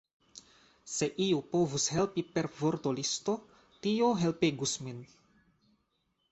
Se iu povus helpi per vortolisto, tio helpegus min!